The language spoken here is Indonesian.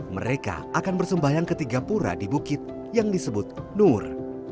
mereka akan bersembahyang ketiga pura di bukit yang disebut nur